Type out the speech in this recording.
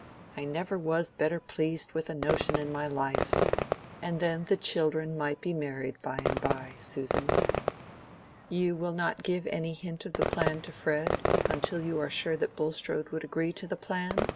I never was better pleased with a notion in my life. And then the children might be married by and by, Susan." "You will not give any hint of the plan to Fred, until you are sure that Bulstrode would agree to the plan?"